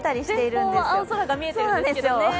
前方は青空が見えてるんですけどね。